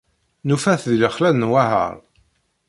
Nufa-t di lexla n Yaɛar.